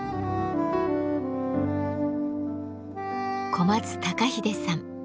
小松孝英さん。